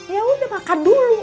ya udah makan dulu